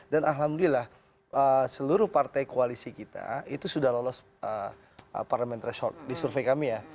alhamdulillah seluruh partai koalisi kita itu sudah lolos parliamentary short di survei kami ya